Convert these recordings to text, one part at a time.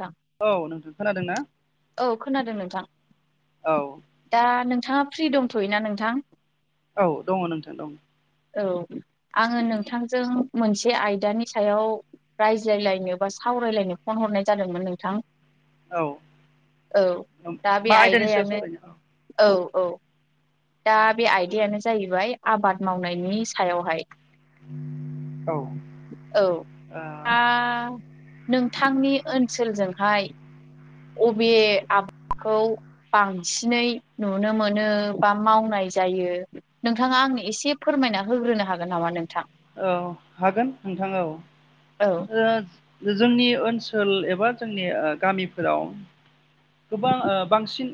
नोंथां औ नोंथां खोनादोंना औ खोनादों नोंथां। औ दा नोंथाङा फ्रि दंथयोना नोंथां। औ दङ नोंथां दं औ आङो नोंथांजों। मोनसे आयदानि सायाव रायज्लायलायनो बा सावरायलायनो फन हरनाय जादोंमोन नोंथां। औ औ दा बे मा आयदानि सायाव आयदायानो सावरायनो औ औ औ दा बे आयदायानो जाहैबाय आबाद मावनायनि सायावहाय। ओ औ आ नों थांंनि ओनसोलजोंहाय। अबे आबदखौ बांसिनै नुनो मोनो। बा मावनाय जायो नोंथाङा आंनो एसे फोरमायना होग्रोनो हागोन नामा नों औ हागोन नोंथां औ औ ओ जोंनि ओनसोल एबा जोंनि गामिफोराव। गोबा ओ-बांसिन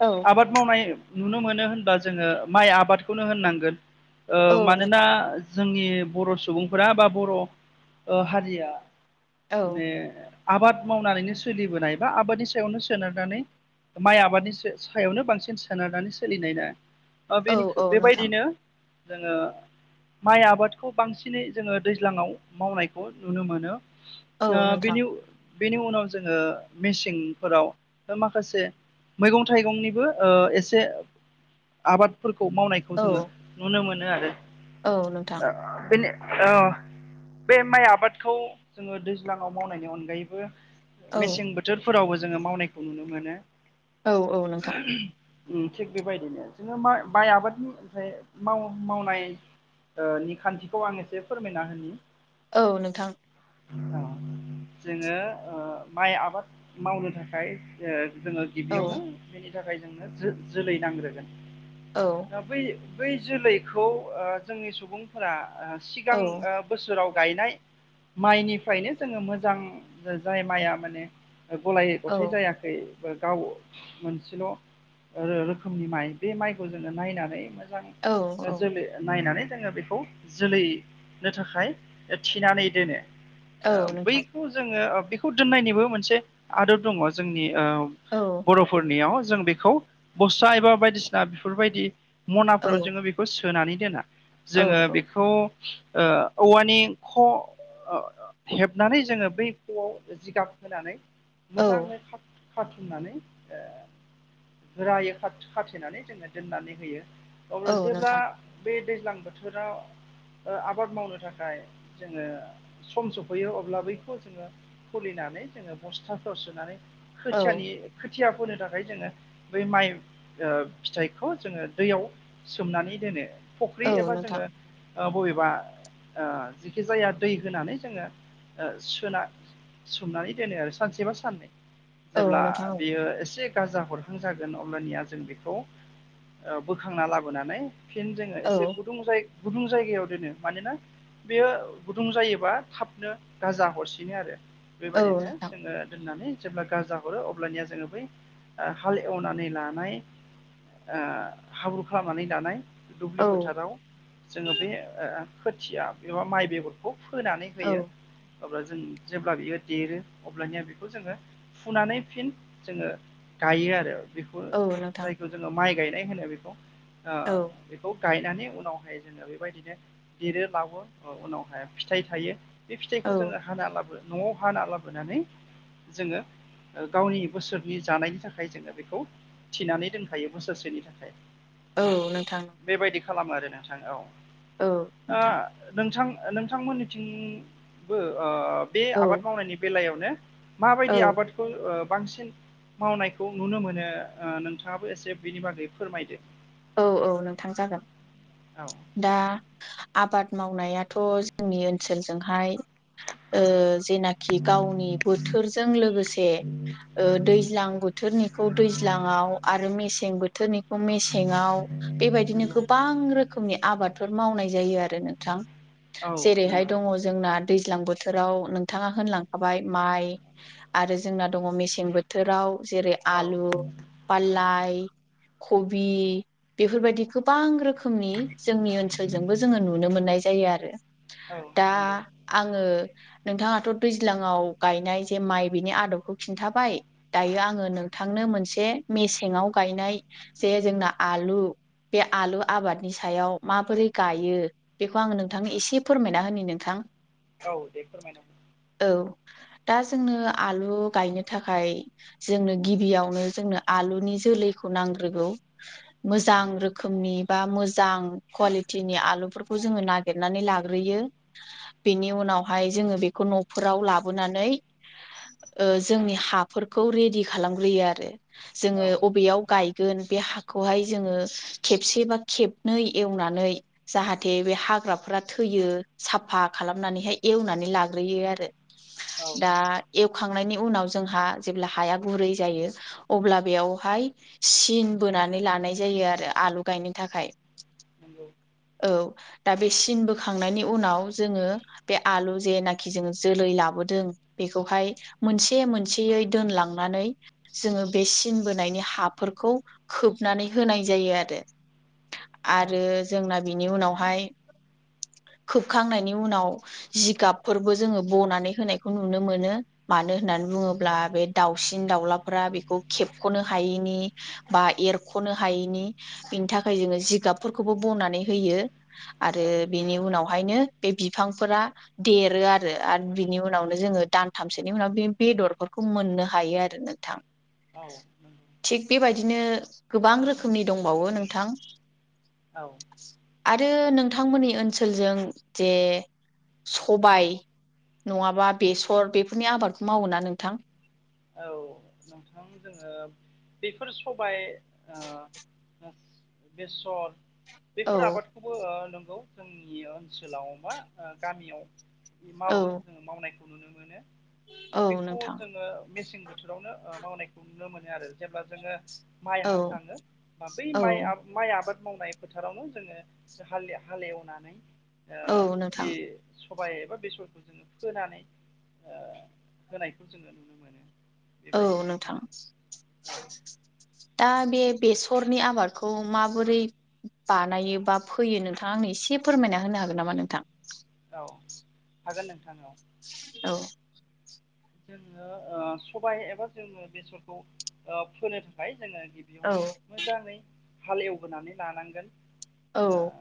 औ आबाद मावनाय नुनो मोनो होनबा जोङो माइ आबादखौनो होननांगोन ओ औ मानोना। नोंथां जोंनि बर सुबुंफोरा बा बर ओ-हारिया औ माने आबाद मावनानैनो सोलिबोनाय बा आबादनि सायावनो सोनारनानै। माइ आबादनि सायावनो बांसिन सोनारनानै सोलिनाय ना। ओ औ बेनि औ नोंथां बेबायदिनो। जोङो माइ आबादखौ बांसिनै जोङो दैज्लाङाव मावनायखौ नुनो मोनो। औ नोंथां ओ-बेनि बेनि उनाव जोङो मेसेंफोराव माखासे मैगं थाइगंनिबो ओ-एसे। आबादफोरखौ मावनायखौ औ जोङो नुनो मोनो औ नोंथां आ-बेनि औ बे माइ आबादखौ जोङो दैज्लाङाव मावनायनि अनगायैबो। औ मेसें बोथोरफोरावबो जोङो मावनायखौ नुनो मोनो। औ औ नोंथां। ओम थिग बेबायदिनो जोङो माइ बाय आबादनि ओफ्राय माव मावनाय ओ निखान्थिखौ आं एसे फोरमायना होनि। औ नोंथां जोङो ओ-माइ आबाद मावनो थाखाय ओ जोङो औ गिबियावनो बेनि थाखाय जोंनो जो जोलै नांग्रोगोन औ द बै। बै जोलैखौ ओ-जोंनि सुबुंफोरा ओ-सिगां औ ओ-बोसोराव गायनाय माइनिफ्रायनो जोङो मोजां जाय माइआ माने गलाय औ गथाय जायाखै। ओ गाव मोनसेल रो रोखोमनि माइ बे माइखौ जोङो नायनानै। औ जोलै नायनानै जोङो बेखौ जोलैनो थाखाय थिनानै दोनो। औ नोंथां बैयखौ जोङो बेखौ दोननायनिबो मोनसे आदब दङ जोंनि- औ ओ-बरफोरनियाव जों बेखौ बसथा एबा बायदिसिना बेफोरबायदि। औ मनाफोराव जोङो बेखौ सोनानै दोना औ जोङो बेखौ। ओ औवानि ख हेबनानै जोङो बै खआव जिगाब होनानै मोजाङै थाब खाथुमनानै ओ गोरायै खाथे खाथेनानै जोङो दोननानै होयो औ अब्ला जेब्ला नोंथां बे दैज्लां बोथोराव ओ आबाद मावनो थाखाय जोङो सम सफैयो अब्ला बैखौ जोङो खुलिनानै जोङो बस्थाफोराव सोनानै औ खोथियानि खोथिया फोनो थाखाय जोङो बै माइ ओ फिथाइखौ जोङो दैयाव सोमनानै दोनो फख्रि औ एबा नोंथां जोङो ओ बबेबा ओ जिखि जाया दै होनानै जोङो ओ सोना सोमनानै दोनो आरो सानसे बा साननै औ जेब्ला नोंथां बेयो एसे गाजा हरहां जागोन अब्लानिया जों बेखौ ओ बोखांना लाबोनानै फिन जोङो औ एसे गुदुं जाय गुदुं जायगायाव दोनो मानोना बेयो गुदुं जायोबा थाबनो गाजा हरसिनो आरो बेबायदिनो औ जोङो दोननानै जेब्ला गाजा हरो अब्लानिया जोङो बै हाल एवनानै लानाय ओ हाब्रु खालामनानै लानाय दुब्लि औ औ फोथाराव जोङो बे ओ खोथिया एबा माइ बेगरखौ फोनानै होयो अब्ला जों जेब्ला बियो देरो अब्लानिया बेखौ जोङो फुनानै फिन जोङो गायो आरो बेखौ औ नोंथां जायखौ जोङो माइ गायनाय होनो बेखौ ओ औ बेखौ गायनानै उनावहाय जोङो बेबायदिनो देरो लावो उनावहाय फिथाइ थायो बे औ फिथाइखौ जोङो हाना लाबो न'आव हाना लाबोनानै जोङो गावनि बोसोरनि जानायनि थाखाय जोङो बेखौ थिनानै दोनखायो बोसोरसेनि थाखाय औ नोंथां बेबायदि खालामो आरो नोंथां औ ओ औ नोंथां नोंथां ओ नोंथांमोननिथिंबो ओ बे औ आबाद मावनायनि बेलायावने औ माबायदि आबादखौ ओ बांसिन मावनायखौ नुनो मोनो ओ नोंथाङाबो एसे बिनि बागै फोरमायदो औ औ नोंथां जागोन औ दा आबाद मावनायाथ' जोंनि ओनसोलजोंहाय ओ जेनाखि गावनि बोथोरजों लोगोसे ओ दैज्लां बोथोरनिखौ दैज्लांआव, आरो मेसें बोथोरनिखौ मे मेसेंआव बेबायदिनो नंगौ गोबां रोखोमनि आबादफोर मावनाय जायो आरो नोंथां औ जेरैहाय नंगौ दङ जोंना दैज्लां बोथोराव नोंथाङा होनलांखाबाय माइ आरो जोंना दङ मेसें बोथोराव जेरै औ आलु पाललाय खबि बि बेफोरबायदि गोबां रोखोमनि जोंनि ओनसोलजोंबो जोङो नुनो मोननाय जायो आरो औ दा नंगौ आङो नोंथाङाथ' दैज्लाङाव गायनाय जे माइ बिनि आदबखौ खिन्थाबाय दायो आङो नोंथां थांनो मोनसे मेसेंआव गायनाय जे जोंना आलु बे आलु आबादनि सायाव माबोरै गायो बेखौ आङो नोंथांनो एसे फोरमायना होनि नोंथां औ दे फोरमाय औ दा जोंनो आलु गायनो थाखाय जोंनो गिबियावनो जोंनो आलु बेनि जोलैखौ नांग्रोगौ मोजां रोखोमनि बा मोजां कुवालिथिनि आलुफोरखौ जोङो नागिरनानै लाग्रोयो बेनि उनाव उनावहाय जोङो बेखौ न'फोराव लाबोनानै ओ जोंनि हाफोरखौ रेडि खालामग्रोयो आरो जोङो औ बबेयाव गाय बे हाखौहाय जोङो खेबसे बा खेबनै एवनानै जाहाथे बे हाग्रा फ्रा थैयो साफा खालामनानैहाय एवनानै लाग्रोयो आरो औ नंगौ औ दा एव एखांनायनि उनाव जोंहा जेब्ला हाया गुरै जायो अब्ला बेयावहाय सिन बोनानै लानाय जायो आरो आलु गायनो थाखाय [inaudible] औ दा बे सिन बोखांनायनि उनाव जोङो बे आलु जेनाखि जोङो जोलै लाब लाबोदों बेखौहाय मोनसे, मोनसेयै दोनलांनानै जोङो बे सिन बोनायनि हाब हाफोर खोबनानै होनाय जायो आरो आरो जोंना बेनि उनावहाय [inaudible] खोबखांनायनि उनाव जिगाबफोरबो जोङो बनानै होनायखौ नुनो मोनो, मानो होननानै बुङोब्ला बे दाउसिन-दाउलाफोरा बेखौ खेबख'नो हायैनि बा एरख'नो हायैनि बिनि थाखाय जोङो जिगाबफोरखौबो बनानै होयो। आरो बेनि उनावहायनो बे बिफांफोरा देरो आरो आरो बिनि उनावनो जोङो दानथामसोनि उनाव बे बेदरफोरखौ खौ मोननो हायो आरो नोंथां। औ नंगौ। बिदिनो गोबां रोखोमनि दंबावो नोंथां। औ आरो नोंथांमोननि ओनसोलजों जे सबाय नङाबा बेसर बेफोरनि आबादखौ मावो ना नोंथां? औ नोंथां जोङो बेफोर सबाय ओ बेसर औ बेफोर आबादखौबो नंगौ जोंनि ओनसोलाव मा गामियाव औ मावो जोङो मावनायखौ नुनो मोनो औ बेखौ नोंथां जोङो मेसें बोथोरावनो ओ‌ मावनायखौ नुनो मोनो आरो। जेब्ला जोङो माइ औ हाखाङो बै औ माइ माइ आबाद मावनाय फोथारावनो जोङो हाले हालेवनानै औ बे नोंथां सबाइ एबा बेसरखौ जोङो फोनानै होनायखौ जोङो नुनो मोनो। औ बेबायदिनो नोंथां जोङो औ दा बे बेसरनि आबादखौ माबोरै बानायो बा फैयो नोंथाङा आंनो एसे फोरमायना होनो हागोन नामा नोंथां? औ हागोन नोंथां औ। जोङो ओ सबाय एबा जोङो बेसरखौ ओ फोनो थाखाय जोङो औ गिबियावनो मोजाङै हालेवबोनानै लानांगोन ओ औ।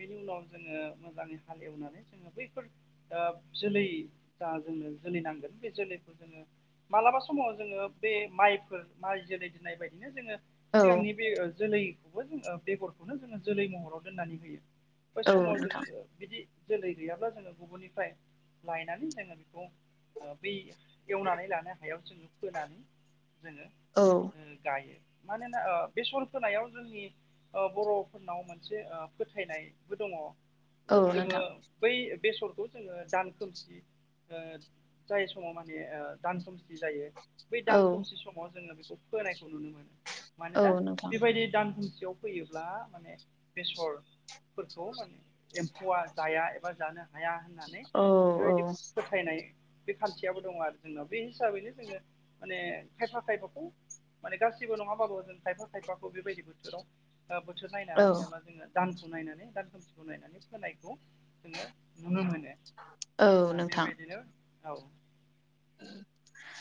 बेनि उनाव जोङो मोजाङै हालेवनानै जोङो बैफोर ओ जोलै जा जोङो जोलिनांगोन बे जोलैखौ जोङो मालाबा समाव जोङो बे माइफोर माइ जोलै दोननाय बायदिनो जोङो औ सिगांनि बे ओ जोलैखौबो जों बेगरखौनो जोङो जोलै महराव दोननानै होयो। बै औ समाव नोंथां जोङो बिदि जोलै गैयाब्ला जोङो गुबुननिफ्राय लायनानै जोङो बेखौ बै एवनानै लानो हायाव जोङो फोनानै जोङो औ गायो। मानोना ओ बेसन होनोनायाव जोंनि ओ बर'फोरनाव मोनसे ओ फोथायनायबो दङ। औ जोङो नोंथां बै बेसरखौ जोङो दान खोमसि ओ जाय समाव माने ओ दानखोमसि जायो बै औ दानखोमसि समाव जोङो बेखौ फोनायखौ नुनो मोनो। औ मानोना नोंथां बेबायदि दानखोमसेयाव फैयोब्ला माने बेसर फोरखौ माने एम्फौआ जाया एबा जानो हाया होननानै औ औ बेबायदि फोथायनाय बे खान्थियाबो दङ आरो जोंनाव बे हिसाबैनो जोङो माने खायफा खायफाखौ माने गासिबो नङाबाबो जों खायफा खायफाखौ बेबायदि बोथोराव बोथोर औ नायनानै एबा जोङो दानखौ नायनानै दान खोमसिखौ नायनानै फोनायखौ जोङो नुनो मोनो। औ आ नोंथां बेबायदिनो औ [unintelligible]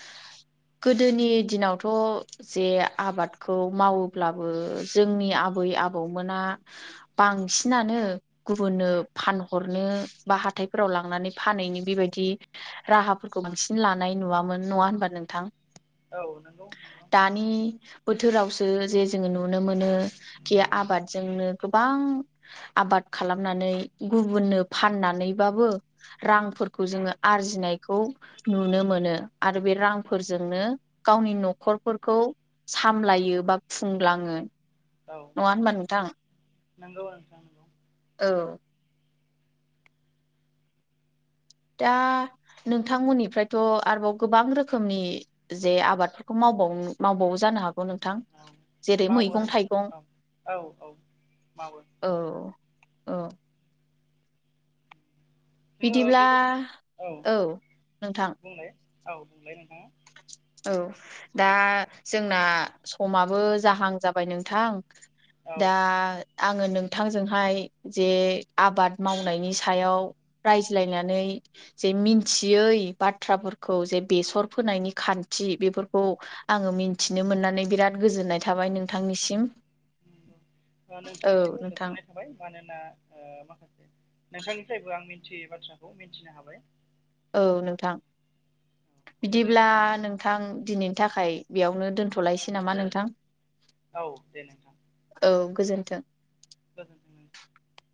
गोदोनि दिनावथ' जे आबादखौ मावोब्लाबो जोंनि आब आबै आबौमोना बांसिनानो गुबुननो फानहरनो बा हाथ हााथथायफोराव लांनानै फानैनि बेबायदि राहाफोरखौ बांसिन लानाय नुवामोन नङा होनबा नोंथां औ नंगौ दानि बोथोरावसो जे जोङो नुनो मोनो खि आबादजोंनो गोबां आबाद खालामनानै गुबुननो फाननानैबाबो रांफोरखौ जोङो आरजिनायखौ नुनो मोनो आरो बे रां औ फोरजोंनो गावनि न'खरफोरखौ सामलायो बा खुंलाङो औ नंङा होनबा नोथां नंगौ नोंथां नंगौ औ दा नोंथांमोननिफ्रायथ' आरोबाव गोबां रोखोमनि जे आबादफोरखौ माव मावबाव-मावबावो जानो हागौ नोंथां औ जेरै मावो मैगं नोंथां थाइगं औ औ औ मावो औ ओ जोङो बिदिब्ला बेबायदिनो औ नोंथां बुंलाय औ बुंलाय नोंथाङा? औ दा जोंना समाबो जाहां जाबाय नोंथां औ दा आङो नोंथांजोंहाय जे आबाद मावनायनि सायाव रायज्लायनानै जे मिथियै बाथ्राफोरखौ जे बेसर फोनायनि खान्थि बेफोरखौ आङो मिथिनो मोननानै बिराद गोजोननाय थाबाय नोंथांनिसिम [unintelligible] दा औ नोंथांनिसिमबो नोंथां गोजोननाय थाबाय मानोना ओ माखासे नोंथांनिफ्रायबो [unintelligible] मिथियै बाथ्राखौ मिथिनो हाबाय। औ नोंथां गोजोननाय बिदिब्ला थाबाय नोंथां नोंथांसिम दिनैनि थाखाय बेयावनो दोनथ'लायसै नामा नोंथां औ दे नोंथां औ गोजोन्थों [unintelligible]